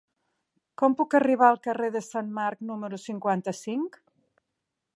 Com puc arribar al carrer de Sant Marc número cinquanta-cinc?